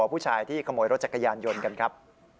ผู้ชายที่ขโมยรถจักรยานยนต์กันครับ